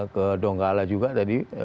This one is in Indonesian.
ke donggala juga tadi